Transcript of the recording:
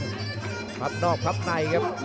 ทุกเงินมัดนอกพับในครับ